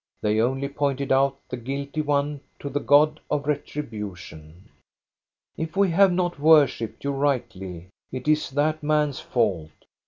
They only pointed out the guilty one to the God of retribution. If we have not worshipped you rightly, it is that man's fault.